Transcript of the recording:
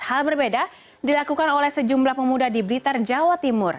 hal berbeda dilakukan oleh sejumlah pemuda di blitar jawa timur